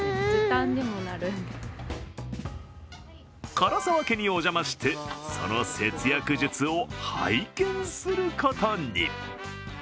唐澤家にお邪魔してその節約術を拝見することに。